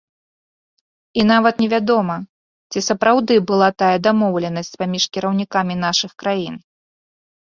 І нават не вядома, ці сапраўды была тая дамоўленасць паміж кіраўнікамі нашых краін.